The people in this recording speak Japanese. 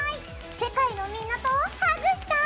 世界のみんなとハグしたい！